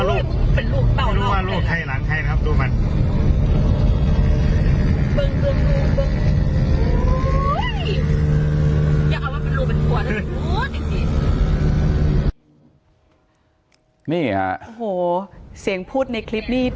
โอ้โหเสียงพูดในคลิปนี้